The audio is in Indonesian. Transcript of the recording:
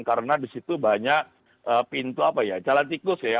karena di situ banyak pintu apa ya jalan tikus ya